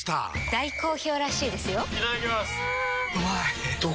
大好評らしいですよんうまい！